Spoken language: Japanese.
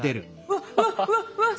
わっわっわっわっ！